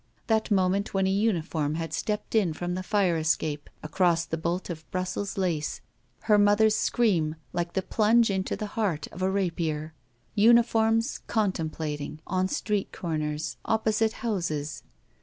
That moment when a uniform had stepped in from the fire escape across the bolt of Brussels lace; her mother's scream, like a plunge into the heart of a rapier. Uniforms — contem plating. On street comers. Opposite houses.